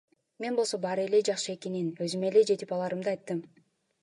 Мен болсо баары жакшы экенин, өзүм эле жетип алаарымды айттым.